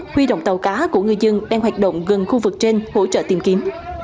huy động tàu cá của ngư dân đang hoạt động gần khu vực trên hỗ trợ tìm kiếm